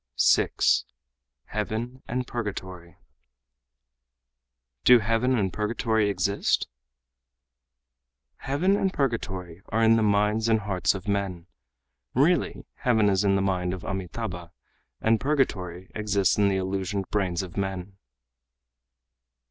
6. Heaven and Purgatory "Do heaven and purgatory exist?" "Heaven and purgatory are in the minds and hearts of men. Really heaven is in the mind of Amitâbha and purgatory exists in the illusioned brains of men."